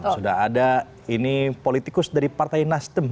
sudah ada ini politikus dari partai nasdem